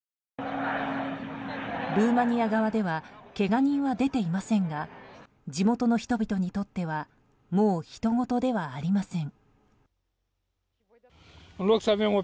ルーマニア側ではけが人は出ていませんが地元の人々にとっては、もうひとごとではありません。